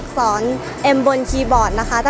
พี่ฟองอีก๑ดวงดาว